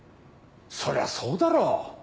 そりゃそうだろう。